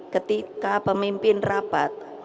ketika pemimpin rapat